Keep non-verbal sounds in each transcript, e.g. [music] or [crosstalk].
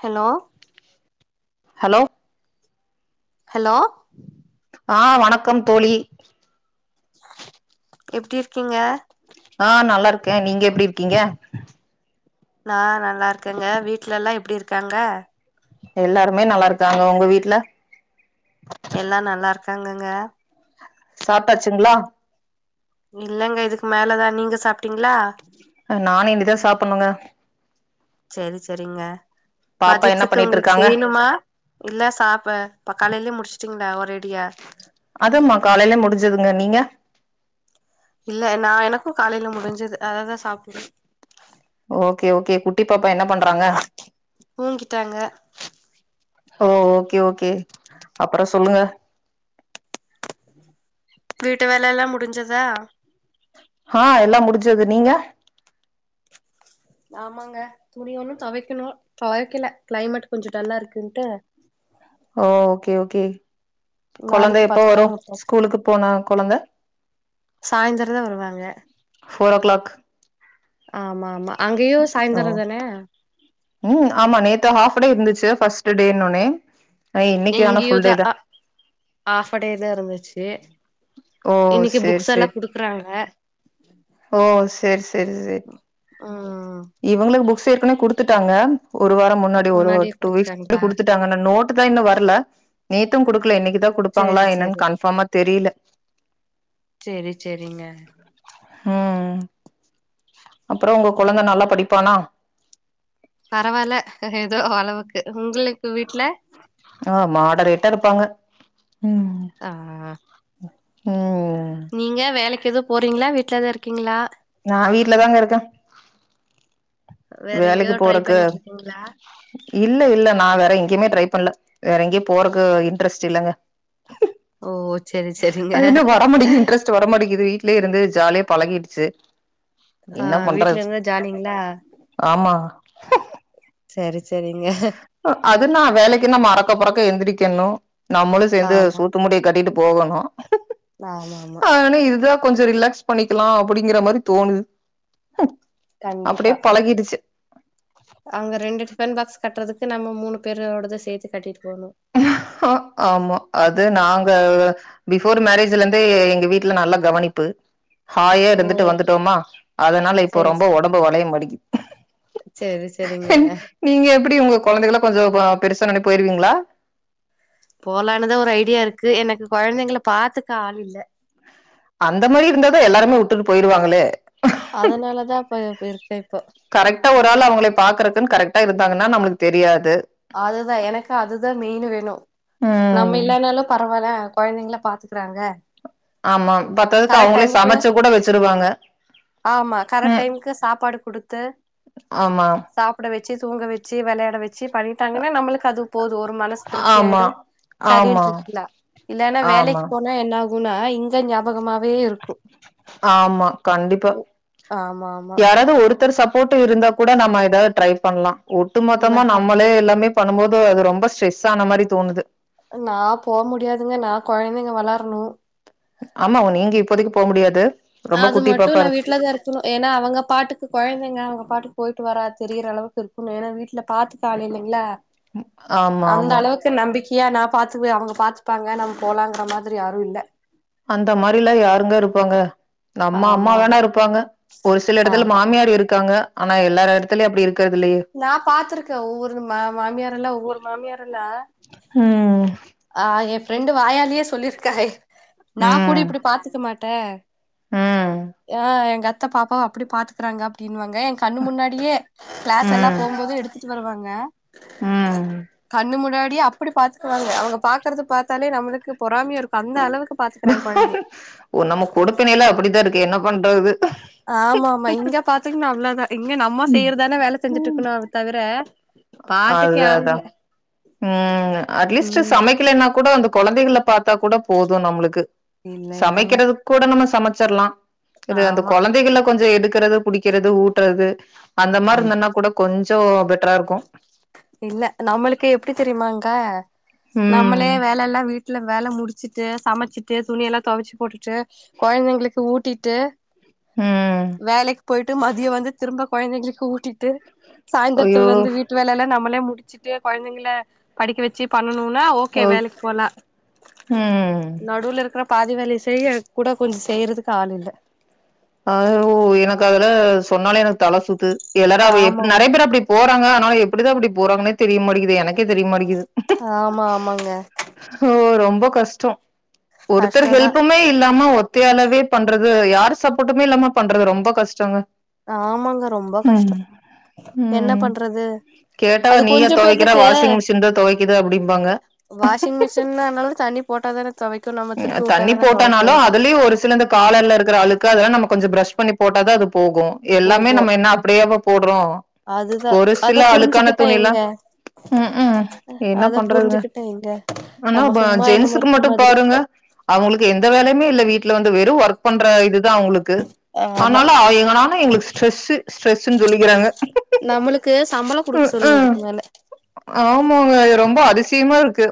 Hello hello hello ஆஹ் வணக்கம் தோழி எப்டி இருக்கீங்க க்க நீங்க எப்டி இருக்கீங்க ந நா நல்லா இருக்கங்க வீட்ல எல்லாம் எப்படி இருக் காங்க எல்லாருமே நல்லா இருக்காங்க உங்க வீட்டுல எல்லாம் நல்லா இருக் காங்கங்க சாப்டாச்சுங்களா இல்லைங்க இதுக்கு மேலதான் நீங்க சாப் அ நானும் இனிதான் சாப்பிடணுங்க செரி செரிங்க பாப்பா என்ன மதியத்துக்கு பண்ணிட்டு உங்களுக்கு இருக்காங்க செய்யணுமா இல்ல சாப்ப இப்ப கலையிலயே முடிச்சு செஞ்டிங்களா ஒரேடியா துங்க நீங்க இல்ல நான் எனக்கும் காலையில முடிஞ்சது அததான் சாப்டு ஓகே ஓகே குட் டிப்பாப்ப என்ன பண்றாங்க தூங்கிட்டாங்க ஓ ஓகே ஓகே அப்புறம் சொல்லுங்க வீட்டு வேலை எல்லாம் முடிஞ்சதா ஆஹ் எல்லாம் முடிஞ்சது நீங்க ஆமாங்க துணிய ஒனும் துவைக்கணும் துவைக்கல கிளைமேட் கொஞ்சம் டல்லா இருக்குன்ட்டு ஓ ஓகே ஓகே கொழந்தை நாளைக்கு எப்போ பாத்துக்கலான்னு வரும் ஸ்கூலுக்கு போனா கொழந்த சாய்தர தா வருவாங்க ஃபோர் ஓ கிளாக் ஆமா ஆமா அங்கேயு ஓ சாய்ந்தர தானே உம் ஆமா நேத்த ஹாப்ஃபடே இருந்துச்சு ஃபர்ஸ்ட் டேனு ஒனே இங்யுதா ஆ ஆஃப் டேதா இருந்துச் சு ஓ இன்னைக்கு சேரி புக்ஸ் சேரி எல்லாம் குடுக்றாங்க ஓ சேரி சேரி சேரி ம் இவங்களுக்கு புக்ஸ் ஏற்கனவே கொடுத்து ட்டாங்க ஒரு ஒரு வாரம் முன்னாடி ஒரு முன்னாடியே டூ வீக்ஸ் குடுத்துட்டாங்களா குடுத்துட்டாங்க ஆன்னா நோட்டு தான் இன்னும் வரல நேத்தும் குடுக் ல என்னைக்குத் தான் கொடுப்பாங்களா சேரி என்னன்னு சேரி கன்ஃபார்மா தெரியல சேரி சேரிங்க உம் அப்புறம் உங்க கெழந்த நல்லா படிப்பானா பரவாயில்ல ஏதோ அளவுக்கு உங்களு ஆஹ் மாடேரேட்டா இருப்பாங்க ஆஹ் உம் நீங்க வேலைக்கு எது போறீங்களா வீட்லதா இருக்கீங்களா நா வீட்லதாங்க இருக்க வேற எங்கேயோ வேலைக்கு ட்ரை போறக்கு பண்ணிட்டு இருக்கீங்களா இல்ல இல்ல நா வேறே எங்கேயுமே ட்ரை பண்ணல வேற எங்கேயோ போறதுக்கு இன்ட்ரெஸ்ட் இல்லங்க ஓ சேரி சேரிங்க அது என்னு வர மாட்கு இன்ரெஸ்ட் வர மாட்டிங்குது வீட்லேயே இருந்து ஜாலியே பழகிடுச்சு என்ன அஹ் வீட்ல இரு பண்றது இருந்தா ஜாலிங்களா ஆமா செரி செரிங்க அதுன்னா வேலைக்குனா நம்ம அறக்க பறக்க எந்திரிக்கணு நம்மளும் சேந்து ஆமா சோத்து மூட்டைய கட்டிட்டு போகணு ஆமா ஆமா கொஞ்சோ ரிலாக்ஸ் பண்ணிக்கலா அப்பிடிங்கற மாரி தோணுது அப்டியே பழகிடுச்சு அவங்க ரெண்டு டிஃபன் பாக்ஸ் கட்டுறதுக்கு நம்ம மூணு பேரோடத சேர்த்து கட்டிருக் ஆமா அது நாங்க பிஃபோர் மேரேஜ்ல இருந்து எங்க வீட்ல நல்ல கவனிப்பு ஹயா ஓ இருந்துட்டு வந்துட்டோமா அதனால இப்போ செரி ரொம்ப செரிங்க ஒடம்பு வளையமாட்டிங்கு செரி செரிங்க நீங்க எப்டி உங்க கெழந்தைகல கொஞ்சோ பேருசான ஒடனே போய்ருவீங்களா போலான்னுதா ஒரு ஐடியா இருக்கு எனக்கு கெழந்தைங்க பாத்துக்க ஆள் இல்ல அந்த மாரி இருந்தாத எல்லாருமே உட்டு போய்டுவாங்களே அதனாலதா இப்ப இருக்க இப்போ கரெக்டா ஒரு ஆள் அவங்கள பாக்குறக்குன்னு கரெக்டா இருந்தாங்கன்னா நம்முளுக்கு தெரியாது அதுதா எனக்கு அதுதா மெயின் வேணு நம்ம ம் இல்லனாலு பரவாயில்ல கெழந்திங்க பாத்துக்குறாங்க ஆமா பத்தாதுக்கு கரெக்ட் அவங்களே டைம்க்கு சமைச்சு கூட வச்சிருவாங்க ஆமா கரெக்ட் ம் டைம்க்கு சாப்பாடு கொடுத்து ஆமா சாப்பிட வெச் வெச்சி தூங்க வெச்சி விளையாட வெச் சி பண்ணிட்டாங்கன்னா நம்மளுக் அது போதும் ஒரு மனசு ஆமா திருப்தியாயிடும் ஆமா சரின்ட் இருக்குலா இல்லன்னா வேலைக் ஆமா போனா என்னாகு குணா [unintelligible] சுகமாவே இருக் ஆமா கண்டிப்பா ஆமா ஆமா யாராவது ஒருத்தர் சாப் போட்டு இருந்தா கூட நம்ம எதாவது ட்ரை பன்லாம் ஒட்டு நா மொத்தமா நம்மளே எல்லாமே பண்ணும் போது அது ரொம்ப ஸ்ட்ரெஸ் ஆன மாதிரி தோணுது நா போ முடியாதுங்க நா குழந்தைங்க வளரணும் ஆமா நீங்க இப்போதைக்கு போ முடியாது ரொம்ப அது குட்டி மட்டும் பாப்பா இரு நான் வீட்டுலதான் இருக்கணும் ஏன்னா அவங்க பாட்டுக்கு குழந்தைங்க அவங்க பாட்டுக் போயிட்டு வரா தெரியிற அளவுக்குக் இருக்கனம் ஏனா வீட்ல பார்த்துக்க ஆல் இல்லைங்களா ஆமா அந்த ஆமா அளவுக்கு நம்பிக் இயா நான் பாத்துவே அவங்க பாத்துப்பாங்க நம் போலங்கிற மாதிரி யாரும் இல்ல அந்த மாரிலாம் யாருங்க இருப்பாங்க அம்மா ஆமா ஆமா அம்மாதான இருப்பாங்க ஒரு சில இடத்தல ஆமா மாமியார் இருக்காங்க ஆனா எல்லார இடத்தலயும் அப்படி இருக் நா பாத்திருக்கேன் ஒவ்வொரு மா மாமியாரல்லாம் ஒவ்வொரு மாமியாரல்லாம் ம் ஆயிப் ரெண்டு வாயாலியே சொல்லியிருக்கவ நா கூட ம் இப்படி பாத்துக்க மாட் த்த ம் ஆ எங்க அத் த்த பாப்பாவ அப்படி பாத்துகிராங்க அப்படிமாங்க ஏன் கண்ணு முன்னாடியே பஸ்ல்லாம் ம் போகும்போது எடுத் கூட்டு வருவாங்க ம் கண்ணு முன்னாடி ஏ அப்படி பாத்துக்குவாங்க அவங்க பாக்கறது பாத்தாலே நம்மளுக்கு பொறாமைய இருக்கும் அந்த அளவுக் உம் நம்ம கொடுப்பணைல அப்படித்தான் இருக்கு என்ன பண்றது ஆமா ஆமா இங்க பாத்திங்கன்னா அவ்ளதான் இங்க நம்ம செய்றதானே வேலை செஞ்சுட்டு இருக்கணும் தவிர பாத்துக்க யாரும் இல்ல உம் அட்லீஸ்ட் ம் சமைக்கலனா கூட அந்த குழந்தைகளை பார்த்தா கூட போதும் நம்மளுக்கு இல்ல இல்லங்க சமைக்கறது கூட நம்ம சமச்ச ச்சர்லாம் அந்த ஆமா குழந்தைகள் கொஞ்சம் எடுக்கறது புடிக்கிறது ஊட்டுறது அந்த மாதிரி இருந்தன்னா கூட கொஞ்சம் பெட்டரா இருக்கும் எப்படி தெரியுமாங்கா நம்மளே ம் வேலை எல்லாம் வீட்டு வீட்டுல வேலை முடிச்சிட்டு சமைச்சிட்டு துணிய எல்லாம் துவச்சு போட்டுட்டு குழந்தைங்களுக்கு ஊட்டிட்டு ம் வேலைக்கு போயிட்டு மதியம் வந்து திரும்ப குழந்தைங்களுக்கு ஊட்டிட்டு சாயந்திரத்து ஐயோ வந்து வீட்டு வேலைையல்லாம் நம் நம்மலே முடிச்சுட்டு குழந்தைங்களை படிக்க வச்சு ணும்னா ஓகே ஓ வேலைக்கு போலாம் ம் நடுவுல இருக்கிற பாதி வேலை செய்ய கூட கொஞ்சம் செய்யறதுக்கு ஆள் இல்லை அஹ ஓ எனக்கு அதுல சொன்னாலே எனக்கு தலை சுத்து எல்லாரா ஆமா எப்படி ஆமா நிறைய பேர் அப்படி போறாங்க ஆனா எப்படிதான் அப்படி போறங்கன்னே தெரியமாடிக்குது எனக்கே தெரியமாடிக்குது ஆமா ஆமாங்க ஓ! ரொம்ப கஷ்டம் ஒருத்தர் கஷ்டோதா ஹெல்புமே இல்லாம ஒரு ஒத்தயாலாவே பண்றது யார் சப்ப ட்டுமே மட்டுமே இல்லாம பண்றது ரொம்ப கஷ்டங்க ஆமாங்க ரொம்ப ம். கஷ்டம் என்ன ம். பண்றது கேட்டா அது நீயா கொஞ்சம் துவைக்கிற? பேத்துக்கு வாஷிங் மிஷின் தான் துவைக்குது அப்படிம்பாங்க. வாஷிங் மிஷின்னாலும் தனி போட்டாதான தொவைக்கு நம்ம திருப்பி தண்ணி வுட்டாதான தொவைக்கு போட்டானாலும் அதுலயும் ஒரு சிலந்த காலர்ல இருக்கிற அழுக்கு அதெல்லாம் நம்ம கொஞ்ச பிரஷ் பண்ணி போட்டாதா அது போகும் எல்லாமே நம்ம என்ன அப்படியாவ போடுறோம் அதுதான் ஒரு சில அத அழுக்கான புரிஞ்சுகிட்டேன் துணிலா எங்க ம்ஹூம் என்ன அத பண்றதுங்க. புரிஞ்சுகிட்டேன் எங்க ஆனா நம்ம ப சும்மா என்னம ஜென்ஸுக்கு இருக்க மட்டும் மாதிரி பாருங்க. அவங்களுக்கு எந்த வேலையுமே இல்ல வீட்டுல வந்து வெறும் ஒர்க் பண்ற இதுதான் அவங்களுக்கு ஆமா ஆனாலும் எங்கனாலும் எங்களுக்கு ஸ்டிரஸ் ஸ்டிரஸ்னு சொல்லிக்குறாங்க நம்மளுக்கு சம்பளோ குடுக்க சொல்லணு இதுக்கு மேல ஆமாங்க ரொம்ப அதிசயமா இருக்கு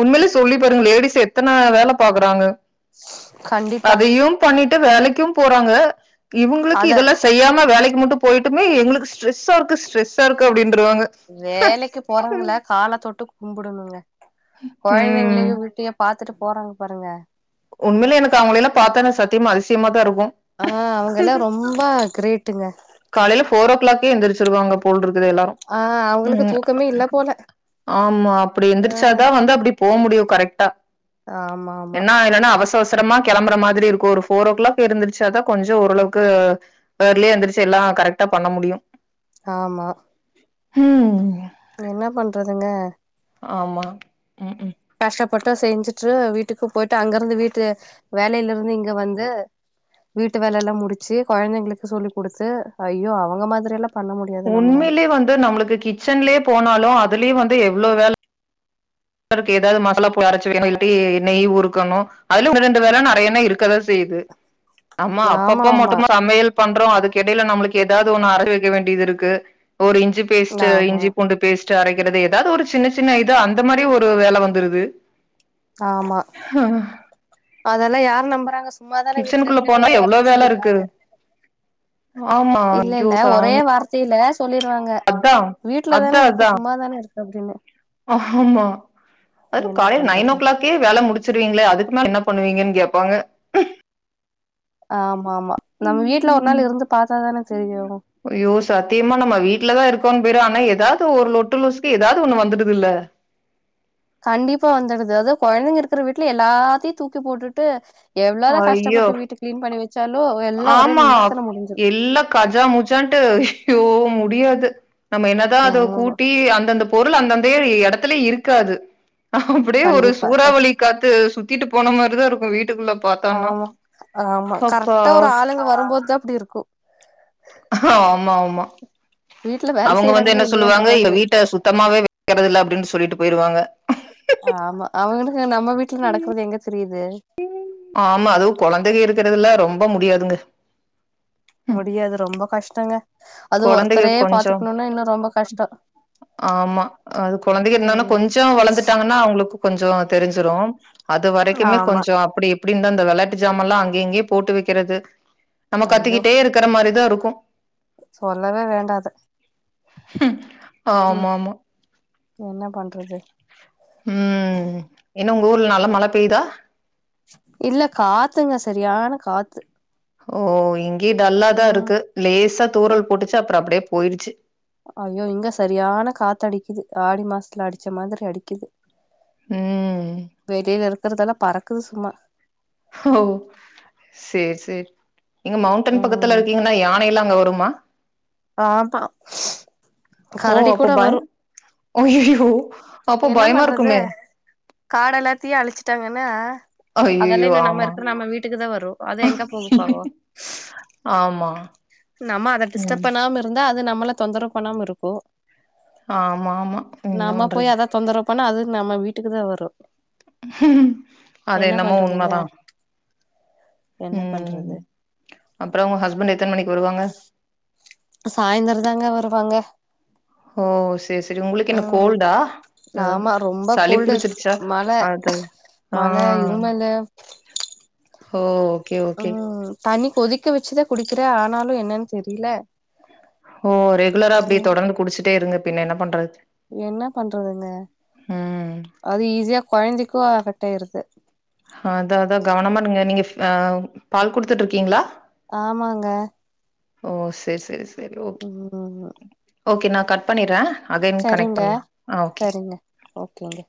உண்மையில சொல்லி பாருங்கலே லேடிஸ் எத்தன வேலை பாக்குறாங்க கண்டிப்பா அதையு பண்ணிட் ட்டு வேலைக்கும் போறாங்க இவங்களுக்கு அத இதெல்லா செய்யாம வேலைக்கு மட்டும் போயிட்டுமே எங்களுக்கு ஸ்ட்ரெஸ்சாருக்கு ஸ்ரெஸ்சாருக்கு அப்டின் வேலைக்கு போறவங்கள காலத் தொட்டு கும்புடணுங்க ம் கொழந்தைங்களையு வீட்டையு பாத்து பாத்துட்டு போறாங்க பாருங்க உண்மையில எனக்கு அவங்களெல்ல பாத்தா சத்தியமா அதிசயமா தா ருக் ஆ அவங்கெல்லா ரொம்ப கிரேட் விட்டுங்க காலையில ஃபோர் ஓ கிளாக்கே எந்திரிச்சிருக்கவாங்க போல எல்லாரும் ஆ அவங்களுக்கு ம் தூக்கமே இல்ல போல ஆமா அப்டி ஆ எந்திரிச்சாதா வந்து அப்டி போ முடியு கரெக்டா ஆமா ஆமா என்னா இல்லன அவசர அவசர அவசரமா கெளம்புற மாதிரி இருக்கு ஒரு ஃபோர் ஓ கிளாக் இருந்திருச்சாதா கொஞ்சோ ஓரளவுக்கு இயர்லியா எந்துருச் ச்சல்லா கரெக்டா பண்ண முடியு ஆமா ம் என்ன பண்றதுங்க ஆமா ம் ம் கஷ்டப்பட்டு செஞ்சுட்டு வீட்டுக்கு போயிட்டு அங்க இருந்து வீட்டு வேலையில இருந்து இங்க வந்து வீட்டு வேலை எல்லா முடிச்சு கொழந்தைங்களுக்கு சொல்லிக் கொடுத்து ஐயோ அவங்க மாதிரிலா உண்மேலே வந்து நம்மளுக்கு கிச்சன்லயே போனாலு அது அதுலயு வந்து எவ்ளோ வேல க்கு ஏதாவது மசாலா போய் அரைச்சு வேணு இல்லாட்டி நெய் நெய் உருக்கணு அதிலு ஒன்னு ரெண்டு வேல நறையன்ன இருக்கதா செய்யுது ஆம்மா ஆமா அப்பப்பா ஆமா மட்டும்மா சமையல் பண்றோ அதுக்கெடையில நம்மளுக்கு ஏதாவது ஒண்ணு அர வைக்க வேண்டியது இருக்கு ஒரு இஞ்சி பேஸ்ட் ஆமா இஞ்சிபூண்டு பேஸ்ட் பேஸ்ட் அரைக்கிறது ஏதாவது ஒரு சின்ன சின்ன இது அந்த மாரி ஒரு ஒரு வேல வந்துருது ஆமா அதெல்லா யார் நம்பறாங்க சும்மா தான வீட்ல கிச்சனுக்குள்ள இருக்கன்னு போனா ஒரே எவ்ளோ வார்த்தைய வேல இருக்கு சொல்லிருவாங்க ஆமா இல்ல ஐயோ இல்ல ஒரே சாமி வார்த்தையில சொல்லிருவாங்க அதா வீட்ல அதா தான இருக்க அதா சும்மாதான இருக்க அப்டின்னு ஆமா அது என்ன காலையில நைன் ஓ பண்றது கிளாக்கே வேலை முடிச்சிருவீங்களே அதுக்கு மேல என்ன பண்ணுவீங்கன்னு கேட்பாங்க ஆமா ஆமா நம்ம வீட்ல ஒரு நாள் இருந்து பாத்தாதான தெரியு ஐயோ சத்தியமா நம்ம வீட்லதா இருப் போன் பேரு ஆனா ஏதாவது ஒரு லொட்டு லொஸ்க்கு ஏதாவது ஒண்ணு வந்துடுதுல்ல கண்டிப்பா வந்துடுது அதாவது கொழந்தைங்க இருக்கற வீட்ல எல்லாத்தையு தூக்கி போட்டுட்டு எவ்ளோதா ஐயோ கஷ்டப்பட்டு வீட்ட கிளீன் பண்ணி வெச்சாலு ஆமா எல்லா கஜா முஜான்டு அய்யோ முடியாது நம்ம என்னதா அத ஆமா கூட்டி அந்த அந்த பொருள் அந்த அந்தையே எடத்துலயே இருக்காது அப்டியே ஒரு கண்டிப்பா சூறாவளி காத்து சு தீட்டு போன மாரி தா இருக்கு வீட் வீட்டுக்குள்ள பாத்தோம்ன்னா ஆமா ஆமா கரெக்டா ஒரு ஆளுங்க வரும்போது போது தா அப்பிடி இருக்கு ஆஹ ஆமா ஆமா வீட்ல வேல அவங்க வந்து செய்யறாங்களா என்ன இல்லையான்ற சொல்லுவாங்க எங்க மாதிரி வீட்ட சுத்தமாவே வைக்கறது இல்ல அப்டின்னு சொல்லிட்டு போயிருவாங்க ஆமா அவங்களுக்கு நம்ம வீட்ல நடக்குறது எங்க தெரியுது [inaudible] ஆமா அதுவு கெழந்திங்க இருக்குறதுல ரொம்ப முடியாதுங்க முடியாது ரொம்ப கஷ்டங்க அது கெழந்தைய ஒருத்தரே கொஞ்சோ பாத்துக்கணும்னா இன்னு ரொம்ப கஷ்டோ ஆமா அது கெழந்தைக என்னன்னா ம் கொஞ்சோ வளந்துட்டாங்கன்னா அவங்களு கொஞ்சோ தெரிஞ்சிரு அது வரைக்குமே ஆமா கொஞ்சோ அப்பிடி இப் அப்டி இருந்தா இந்த வெளாட்டு ஜாமான்ல்லா அங்கயே இங்கேயே போட்டு வைக்கிறது நம்ம ஐயோ கத்திக்கிட்டே இருக்கிற மாரி தா இருக்கு சொல்லவே வேண்டா அது [unintelligible] ஆ ஆமா ஆமா என்ன பண்றது உம் என்ன உங்க ஊர்ல நல்லா மல பெய்யுதா இல்ல காத்துங்க செரியான காத்து ஓ இங்கயே டல்ல தா ம் இருக்கு லேசா தூரல் போட்டுச்சு அப்புறோ அப்டியே போயிடுச்சு ஐய்யோ இங்க செரியான காத்து அடிக்குது ஆடி மாசத்துல அடிச்ச மாதிரி அடிக்குது ம் வெளில இருக்குறதெல்லா பறக்குது சும்மா ஓ சேர் சேரி இங்க மவுண்ட்டன் பக்கத்துல ம் இருக்கிங்னா யானை எல்லா அங்க வருமா ஆ ப்பா ஓ அப்ப பயந் அய்யயோ என்ன பண்றது காட எல்லாத்தையு அழிச்சுட்டாங்கனா அதெல்லா அய்யய்யோ இன்னு நம்ம ஆமா இருக்குற நம்ம வீட்டுக்குதா வரு அது எங்க போகு பாவோ ஆமா நம்ம அத டிஸ்டர்ப் ம் பண்ணாம இருந் தா அது நம்மள தொந்தர பண்ணாம இருக்கு ஆமாமா என்ன நம்ம பண் போய் அத தொந்தர பண்ணா அது நம்ம வீட்டுக்குதா வரு அது என்ன என்னமோ பண்றதுங்க உண்மதா என்ன ம், பண்றது அப்பறோ உங்க ஹஸ்பண்ட் எத்தன மணிக்கு வருவாங்க சாய்ந்தரந்தாங்க வருவாங்க ஓ சேரி சேரி உங்களுக்கு என்ன ம் கோல்டா ம் ஆமா ரொம்ப சளி கோல்டு புடிச்சிருச்சா மழ அது, ஆ, மழ இருமலு ஓ ஓகே ஓகே ம் தண்ணி கொதிக்க வச்சுதா குடி க்கிறே ஆனாலு என்னன்னு தெரில ஓ ரெகுலரா அப்டியே தொடர்ந்து குடிச்சுட்டே இருங்க பின்ன என்ன பண்றது என்ன பண்றதுங்க ம் அது ஈஸியா கொழந்தைக் கு அபெக்ட் ஆயிருது அதா அதா கவனமா இருங்க நீங்க ஃப் ஆ பால் குடுத்துட்டு இருக்கீங்ளா ஆமாங்க ஓ சேரி சேரி ஓகே ம் ஓகே நா கட் பண்ணிட்றே சரிங்க சரிங்க ஓகேங்க